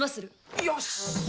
よし！